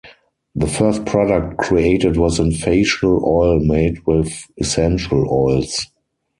The first product created was an facial oil made with essential oils.